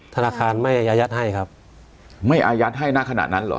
ธนาคารไม่อายัดให้ครับไม่อายัดให้ณขณะนั้นเหรอ